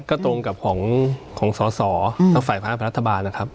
ก็ตรงกับของสลและฝ่ายภาพรัฐบาลนะครับ